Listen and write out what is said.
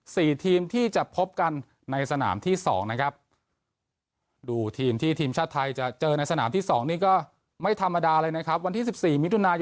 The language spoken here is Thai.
สี่ทีมที่จะพบกันในสนามที่สองนะครับดูทีมที่ทีมชาติไทยจะเจอในสนามที่สองนี้ก็ไม่ธรรมดาเลยนะครับวันที่สิบสี่มิตุนายน